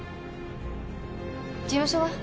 事務所は？